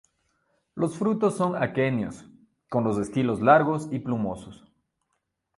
Los frutos son aquenios, con los estilos largos y plumosos.